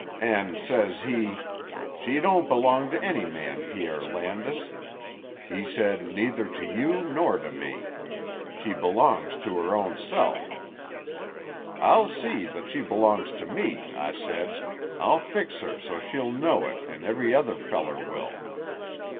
An', says he, 'She don't belong to any man, Pierre Landis,' he said, 'neither to you nor to me. She belongs to her own self.' 'I'll see that she belongs to me,' I said. 'I'll fix her so she'll know it an' every other feller will.'"